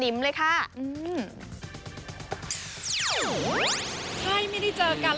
ใช่ไม่ได้เจอกันแล้วก็ไม่ได้